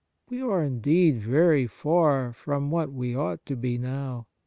We are indeed very far from what we ought to be now.